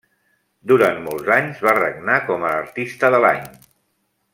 Durant molts anys va regnar com a l'Artista de l'Any.